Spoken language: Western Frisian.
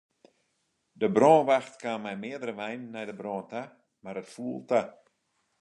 De brânwacht kaam mei meardere weinen nei de brân ta, mar it foel ta.